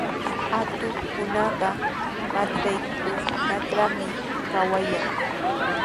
Atuqkunaqa matraykunatrawmi kawayan.